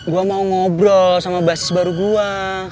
gue mau ngobrol sama basis baru gue